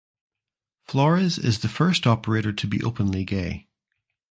Flores is the first operator to be openly gay.